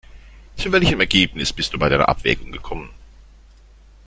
Zu welchem Ergebnis bist du bei deiner Abwägung gekommen?